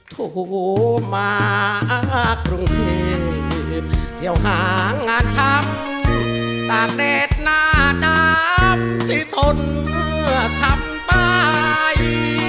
ถูกมากรุงเทพเที่ยวห่างงานทำต่างเดชนาดาลย์